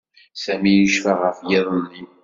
Sami yecfa ɣef yiḍ-nni.